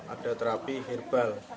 ada terapi hirbal